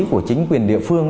của chính quyền địa phương